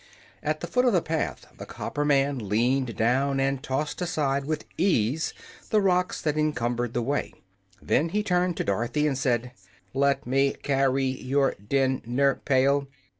At the foot of the path the copper man leaned down and tossed aside with ease the rocks that encumbered the way. Then he turned to Dorothy and said: "Let me car ry your din ner pail."